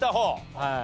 はい。